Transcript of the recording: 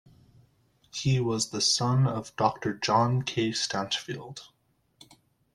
He was the son of Doctor John K. Stanchfield.